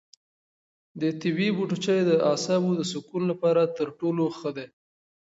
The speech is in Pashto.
د طبیعي بوټو چای د اعصابو د سکون لپاره تر ټولو ښه دی.